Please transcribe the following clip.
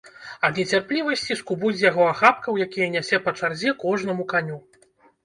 Ад нецярплівасці скубуць з яго ахапкаў, якія нясе па чарзе кожнаму каню.